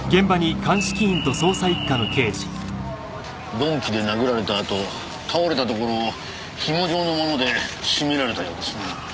鈍器で殴られたあと倒れたところを紐状の物で絞められたようですな。